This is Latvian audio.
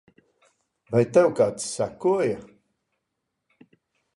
Vai tev kāds sekoja?